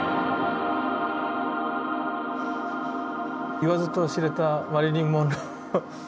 言わずと知れたマリリン・モンロー。